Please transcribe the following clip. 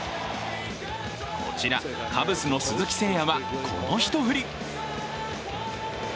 こちらカブスの鈴木誠也は、この一振り。